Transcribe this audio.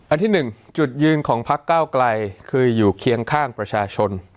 อันที่หนึ่งจุดยืนของพลักษณ์ก้าวกลายคืออยู่เคียงข้างประชาชน